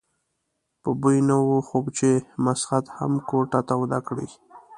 په بوی نه وو خو چې مسخد هم کوټه توده کړي.